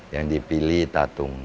yang dipilih tatung ya begitu